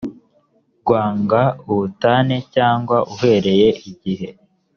rwanga ubutane cyangwa uhereye igihe